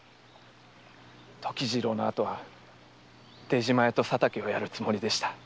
時次郎のあとは出島屋と佐竹を殺るつもりでした。